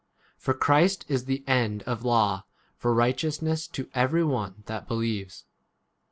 For Christ is [the] end of law for righteousness to every one that believes.